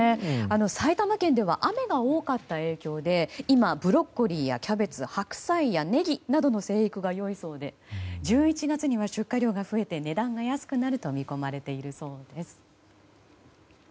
埼玉県では雨が多かった影響で今、ブロッコリーやキャベツ白菜やネギなどの生育が良いそうで１１月には出荷量が増えて値段が安くなると見込まれているそうです。